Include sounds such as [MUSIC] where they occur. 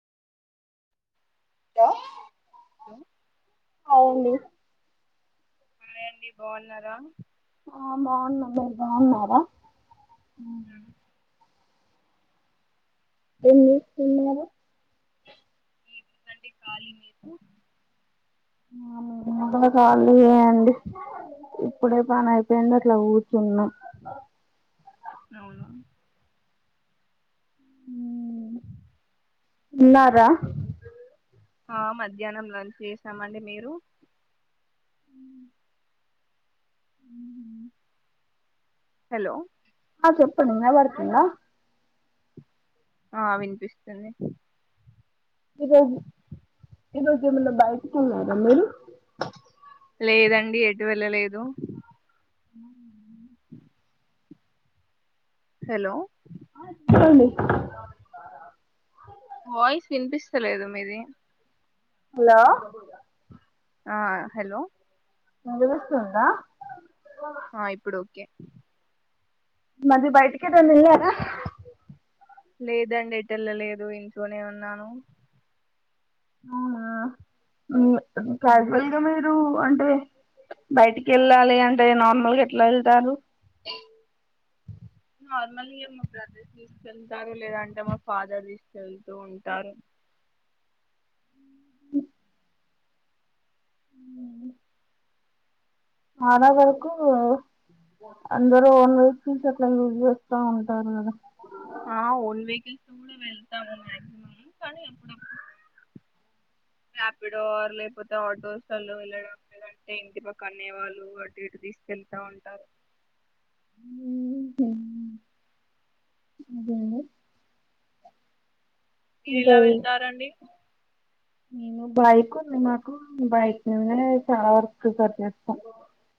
హో కో [INAUDIBLE] హాయ్ అండి అండి బాగున్నారా ఆ బాగున్నాం మీరు బాగున్నారా అ [INAUDIBLE] ఏం జేస్తున్నారు ఏం ఉందండి కాలీ మీకు ఇంకా కాలీయే అండి ఇప్పుడే పని అయిపోయింది అట్లా గూర్చున్నా అవునా తిన్నారా ఆ మధ్యాహ్నం లంచ్ జేసామండి మీరు హలో ఆ చెప్పండి యినబడుతుందా ఆ వినిపిస్తుంది ఈరోజు ఈరోజు ఏమన్నా బయటికి కెళ్ళారా మీరు లేదండి ఎటు వెళ్ళలేదు ఉ [INAUDIBLE] [INAUDIBLE] హలో చెప్పండి వాయిస్ వినిపిస్తలేదు మీది హలో ఆ హలో వినిపిస్తుందా ఆ ఇప్పుడు ఓకే మళ్ళీ బయటికెట్టన్నా యెళ్ళారా లేదండి ఎటెల్ల లేదు ఇంట్లోనే ఉన్నాను అవునా ఉమ్. క్యాజువల్ గా మీరు అంటే బయటికి యెళ్ళాలి అంటే నార్మల్గా ఎట్లా యెళ్తారు [INAUDIBLE] నార్మల్గా మా బ్రదర్ దీసుకెళ్తారు లేదంటే మా ఫాదర్ దీసుకెళ్తూ ఉంటారు [INAUDIBLE] చాలా వరకు అందరు ఓన్ వెహికల్స్ ని అట్లా యూజ్ జేస్తా ఉంటారు గదా ఆ ఓన్ వెహికల్స్ తో గూడా వెళ్తాము మ్యాగ్జిమమ్ కానీ అప్పుడప్పుడు రాపిడో ఆర్ లేకపోతే ఆటోస్లల్లో వెళ్ళడం లేదా అంటే ఇంటి పక్క అన్నయ్య వాళ్ళు అటు ఇటు తీసుకెళ్తా ఉంటారు ఉమ్ అదేండి మీరు ఇంకా ఎలా వెళ్తారండి నేను బైక్ ఉంది నాకు బైక్ మీదనే చాలా వరకు ప్రిఫర్ చేస్తా